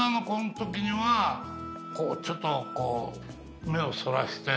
ちょっとこう目をそらして。